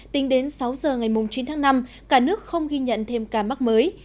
tính đến sáu giờ ngày chín tháng năm cả nước không ghi nhận thêm ca mắc mới